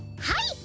はい！